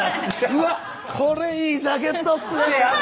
「うわっこれいいジャケットっすね」